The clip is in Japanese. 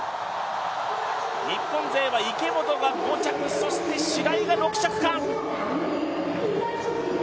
日本勢は池本が５着、白井が６着か。